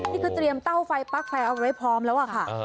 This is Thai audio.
นี่ก็เตรียมเต้าไฟปลั๊กไฟเอาไว้พร้อมแล้วค่ะ